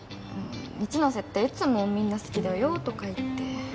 一ノ瀬っていつも「みんな好きだよ」とか言って。